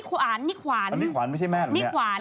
คุณนุ่ม